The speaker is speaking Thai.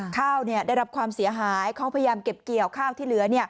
ข้าวได้รับความเสียหายเขาพยายามเก็บเกี่ยวข้าวที่เหลือ